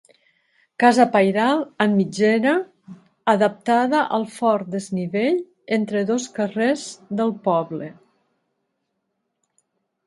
Casa pairal amb mitgera, adaptada al fort desnivell entre dos carrers del poble.